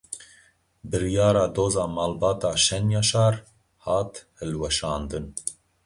Biryara doza malbata Şenyaşar hat hilweşandin.